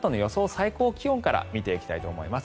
最高気温から見ていきたいと思います。